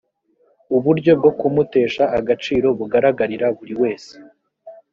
uburyo bwo kumutesha agaciro bugaragarira buri wese